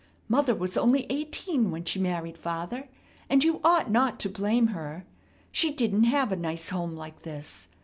Mother was only eighteen when she married father, and you ought not to blame her. She didn't have a nice home like this.